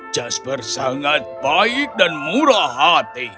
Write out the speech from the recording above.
jasper sangat baik dan murah hati